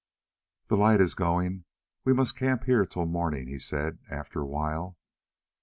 "The light is going, we must camp here till the morning," he said after a while.